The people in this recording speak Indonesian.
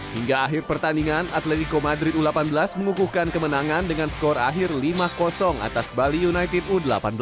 hingga akhir pertandingan atletico madrid u delapan belas mengukuhkan kemenangan dengan skor akhir lima atas bali united u delapan belas